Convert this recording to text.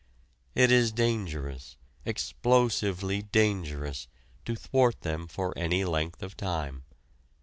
It is dangerous, explosively dangerous, to thwart them for any length of time.